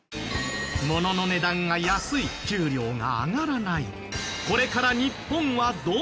物の値段が安い給料が上がらない。